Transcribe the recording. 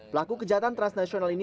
pelaku kejahatan transnasional ini